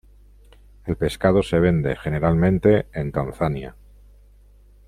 El pescado se vende, generalmente, en Tanzania.